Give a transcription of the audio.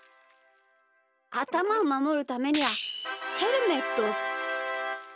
あたまをまもるためにはヘルメット。